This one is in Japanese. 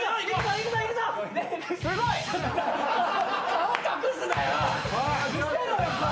・顔隠すなよ！